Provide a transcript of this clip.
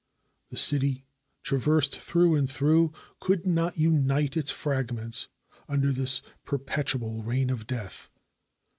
The city, traversed through and through, could not unite its fragments un der this perpetual reign of death.